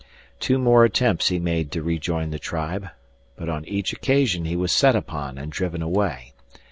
Two more attempts he made to rejoin the tribe, but on each occasion he was set upon and driven away.